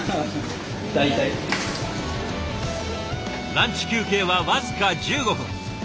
ランチ休憩は僅か１５分。